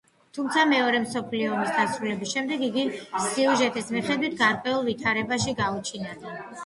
თუმცა მეორე მსოფლიო ომის დასრულების შემდეგ იგი სიუჟეტის მიხედვით გაურკვეველ ვითარებაში გაუჩინარდა.